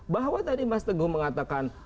bahwa tadi mas teguh mengatakan